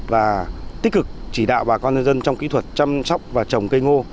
và tích cực chỉ đạo bà con nhân dân trong kỹ thuật chăm sóc và trồng cây ngô